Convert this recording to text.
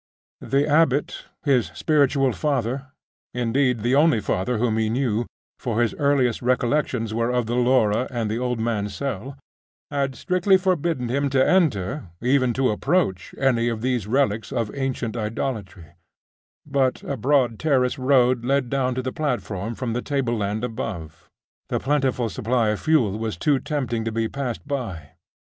The abbot, his spiritual father indeed, the only father whom he knew, for his earliest recollections were of the Laura and the old man's cell had strictly forbidden him to enter, even to approach any of those relics of ancient idolatry: but a broad terrace road led down to the platform from the table land above; the plentiful supply of fuel was too tempting to be passed by....